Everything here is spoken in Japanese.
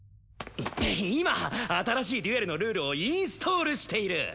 いま新しいデュエルのルールをインストールしている！